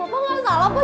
bapak ga salah pak